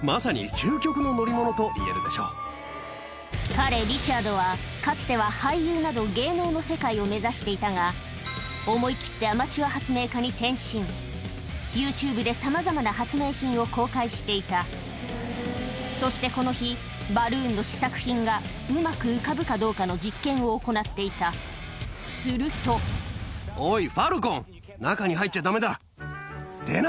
彼リチャードはかつては俳優など芸能の世界を目指していたが思い切ってアマチュア発明家に転身ＹｏｕＴｕｂｅでさまざまな発明品を公開していたそしてこの日バルーンの試作品がうまく浮かぶかどうかの実験を行っていたするといくぞ！